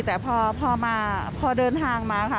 แต่พอเดินทางมาค่ะ